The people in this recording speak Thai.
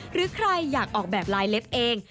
หรือใครอยากออกแบบลายเล็บเอง